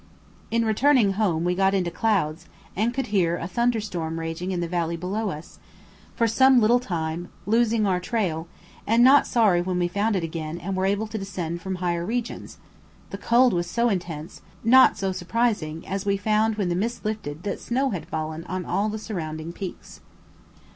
In returning home we got into clouds, and could hear a thunderstorm raging in the valley below us, for some little time losing our trail, and not sorry when we found it again and were able to descend from higher regions, the cold was so intense; not so surprising, as we found when the mist lifted that snow had fallen on all the surrounding peaks.